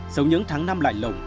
sống những tháng năm lạnh lộng